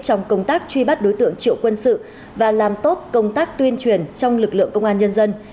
trong công tác truy bắt đối tượng triệu quân sự và làm tốt công tác tuyên truyền trong lực lượng công an nhân dân